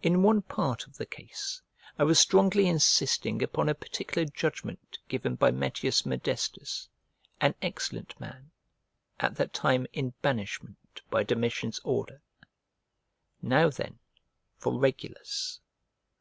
In one part of the case I was strongly insisting upon a particular judgment given by Metius Modestus, an excellent man, at that time in banishment by Domitian's order. Now then for Regulus.